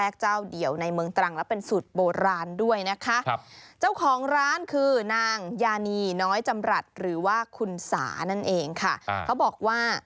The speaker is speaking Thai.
คุณสานั่นเองค่ะเขาบอกว่า